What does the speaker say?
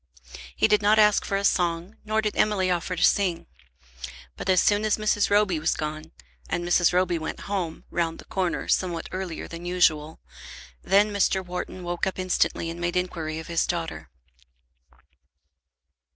He did not ask for a song, nor did Emily offer to sing. But as soon as Mrs. Roby was gone, and Mrs. Roby went home, round the corner, somewhat earlier than usual, then Mr. Wharton woke up instantly and made inquiry of his daughter.